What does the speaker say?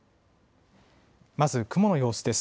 まず雲の様子です。